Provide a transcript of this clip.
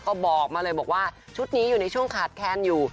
ก็บอกมาเลยบอกว่าชุดนี้อยู่ในช่วงขาดแคนอยู่